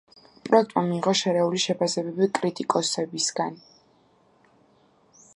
პროექტმა მიიღო შერეული შეფასებები კინოკრიტიკოსებისგან.